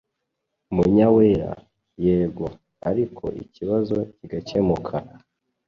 Munyawera:Yego ariko ikibazo kigakemuka.